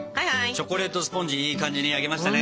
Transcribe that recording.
チョコレートスポンジいい感じに焼けましたね。